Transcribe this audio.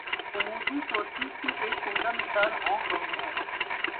عمودی توسیع کی ایک عمدہ مثال ہانگ کانگ ہے۔